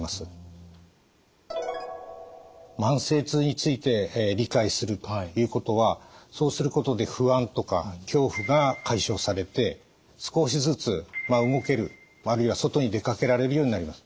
慢性痛について理解するということはそうすることで不安とか恐怖が解消されて少しずつ動けるあるいは外に出かけられるようになります。